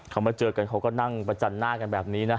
เขามาเจอกันเขาก็นั่งประจันหน้ากันแบบนี้นะ